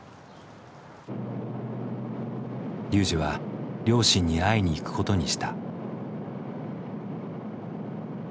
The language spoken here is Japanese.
ＲＹＵＪＩは両親に会いに行くことにした。